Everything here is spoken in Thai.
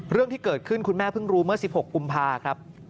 เรื่องที่เกิดขึ้นคุณแม่เพิ่งรู้เมื่อ๑๖กุมภาครับ